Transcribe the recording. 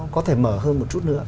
có thể mở hơn một chút nữa